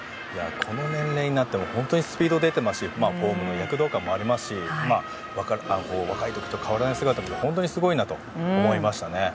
この年齢になっても本当にスピードが出てますしフォームに躍動感もありますし若い時と変わらぬ姿で本当にすごいなと思いました。